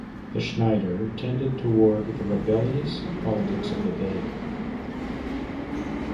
The Schneider tended toward the rebellious politics of the day.